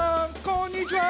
こんにちは。